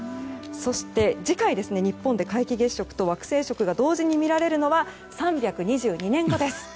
そして次回、日本で皆既月食と惑星食が同時に見られるのは３２２年後です。